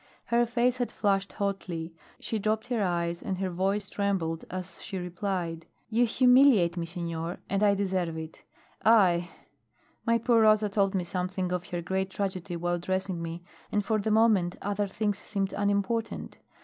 Her face had flushed hotly. She dropped her eyes and her voice trembled as she replied: "You humiliate me, senor, and I deserve it. I my poor Rosa told me something of her great tragedy while dressing me, and for the moment other things seemed unimportant.